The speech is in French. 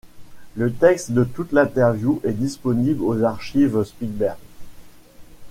Le texte de toute l'interview est disponible aux Archives Spielberg.